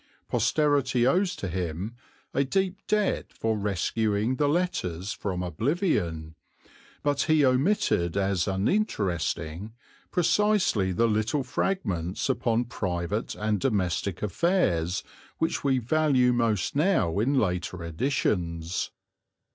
Posterity owes to him a deep debt for rescuing the letters from oblivion, but he omitted as uninteresting precisely the little fragments upon private and domestic affairs which we value most now in later editions.